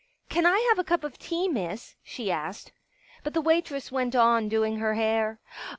" Can I have a cup of tea. Miss ?" she asked. But the waitress went on doing her hair.